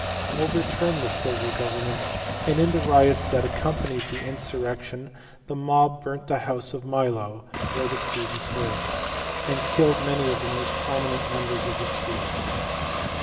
overturned the civil government, and in the riots that accompanied the insurrection the mob burnt the house of Milo (where the students lived) and killed many of the most prominent members of the school.